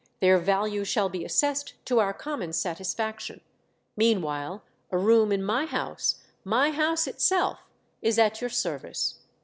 Their value shall be assessed to our common satisfaction. Meanwhile, a room in my house — my house itself — is at your service.